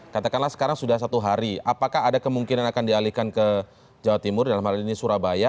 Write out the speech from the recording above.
katakanlah sekarang sudah satu hari apakah ada kemungkinan akan dialihkan ke jawa timur dalam hal ini surabaya